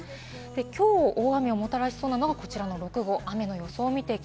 きょう大雨をもたらしそうなのがこちらの６号、雨の予想です。